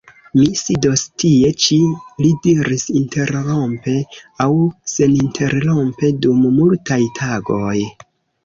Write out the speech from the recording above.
"Mi sidos tie ĉi," li diris, "interrompe aŭ seninterrompe dum multaj tagoj."